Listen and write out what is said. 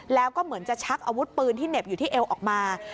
แล้วก็เหมือนจะชักอาวุธปืนที่เหน็บอยู่ที่เอวออกมา